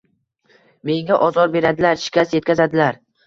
Menga ozor beradilar, shikast yetkazadilar.